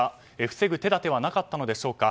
防ぐ手立てはなかったのでしょうか。